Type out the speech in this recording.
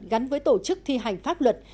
gắn với tổ chức thi hành pháp luật